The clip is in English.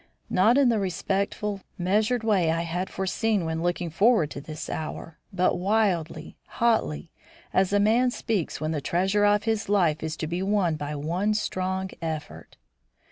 Not in the respectful, measured way I had foreseen when looking forward to this hour, but wildly, hotly, as a man speaks when the treasure of his life is to be won by one strong effort.